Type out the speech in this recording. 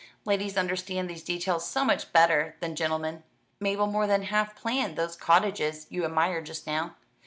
"Ladies understand these details so much better than gentlemen. Mabel more than half planned those cottages you admired just now.